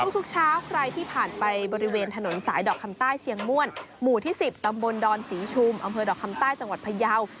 ทุกเช้าใครที่ผ่านไปบริเวณถนนสายดอกคำใต้เชียงม่วนหมู่ที่๑๐ตำบลดอนศรีชุมอำเภอดอกคำใต้จังหวัดพยาว